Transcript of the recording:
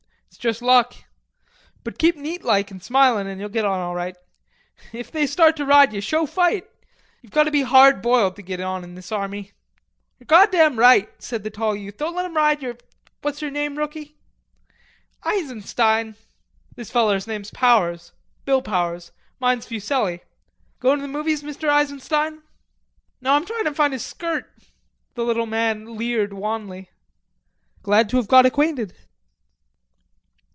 "It's juss luck. But keep neat like and smilin' and you'll get on all right. And if they start to ride ye, show fight. Ye've got to be hard boiled to git on in this army." "Ye're goddam right," said the tall youth. "Don't let 'em ride yer.... What's yer name, rookie?" "Eisenstein." "This feller's name's Powers.... Bill Powers. Mine's Fuselli.... Goin' to the movies, Mr. Eisenstein?" "No, I'm trying to find a skirt." The little man leered wanly. "Glad to have got ackwainted."